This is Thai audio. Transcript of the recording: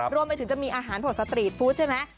รวมไปถึงจะมีอาหารผดสตรีทฟู้ดใช่ไหม